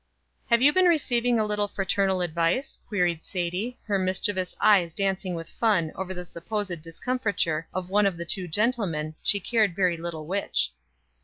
"Have you been receiving a little fraternal advice?" queried Sadie, her mischievous eyes dancing with fun over the supposed discomfiture of one of the two gentlemen, she cared very little which.